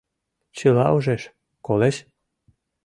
Чыла ужеш, колеш.